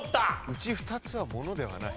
「うち２つは物ではない」。